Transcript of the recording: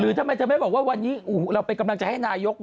รึทำไมถ้าใบ่ป่ะว่าวันนี้เรากำลังจะให้นายก